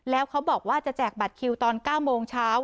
แล้วเขาบอกว่าจะแจกบัตรคิวตอน๙โมงเช้า